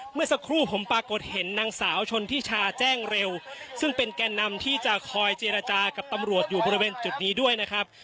เมื่อสักครู่ผมปรากฏเห็นนางสาวชนทิชาแจ้งเร็วซึ่งเป็นแก่นำที่จะคอยเจรจากับตำรวจอยู่บริเวณจุดนี้ด้วยนะครับ